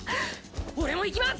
俺も行きます！